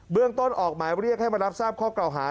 เรื่องต้นออกหมายเรียกให้มารับทราบข้อเก่าหา